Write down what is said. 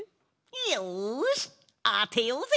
よしあてようぜ！